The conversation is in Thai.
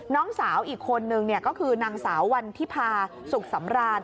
น้องสาวอีกคนนึงก็คือนางสาววันที่พาสุขสำราน